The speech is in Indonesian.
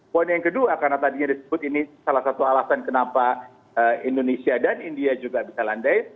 poin yang kedua karena tadinya disebut ini salah satu alasan kenapa indonesia dan india juga bisa landai